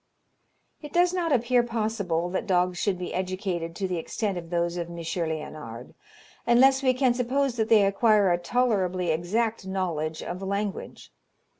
It does not appear possible that dogs should be educated to the extent of those of M. Léonard, unless we can suppose that they acquire a tolerably exact knowledge of language.